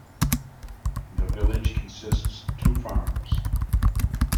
The village consists two farms.